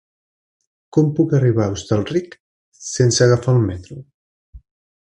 Com puc arribar a Hostalric sense agafar el metro?